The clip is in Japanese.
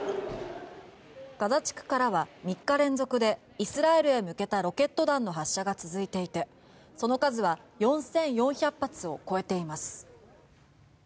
ガザ地区からは３日連続でイスラエルへ向けたロケット弾の発射が続いていて、その数は４４００発を超えています。